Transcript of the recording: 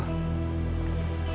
gue gak mau ngeri